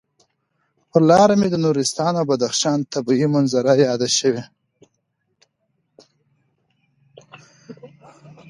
پر لاره مې د نورستان او بدخشان طبعي منظرې یادې شوې.